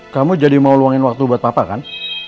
kamu jadi mau luangin waktu buat papa kan